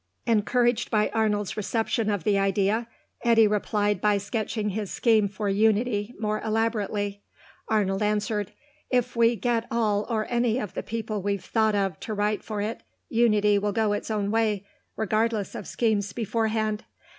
Encouraged by Arnold's reception of the idea, Eddy replied by sketching his scheme for Unity more elaborately. Arnold answered, "If we get all or any of the people we've thought of to write for it, Unity will go its own way, regardless of schemes beforehand....